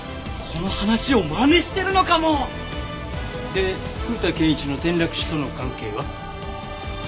この話をまねしてるのかも！で古田憲一の転落死との関係は？